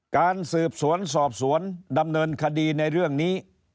การสืบสวนสอบสวนดำเนินคดีในเรื่องนี้